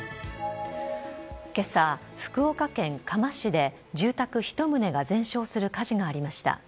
けさ、福岡県嘉麻市で、住宅１棟が全焼する火事がありました。